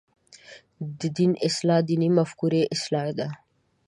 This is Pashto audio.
د دین اصلاح د دیني مفکورې اصلاح ده.